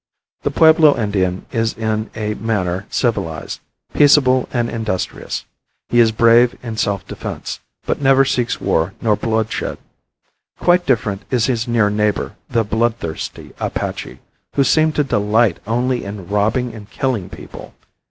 The Pueblo Indian is in a manner civilized, peaceable and industrious. He is brave in self defense, but never seeks war nor bloodshed. Quite different is his near neighbor, the bloodthirsty Apache, who seems to delight only in robbing and killing people.